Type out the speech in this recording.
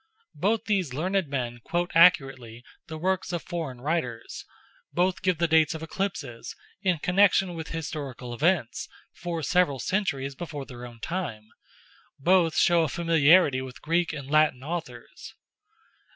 Both these learned men quote accurately the works of foreign writers; both give the dates of eclipses, in connection with historical events for several centuries before their own time; both show a familiarity with Greek and Latin authors.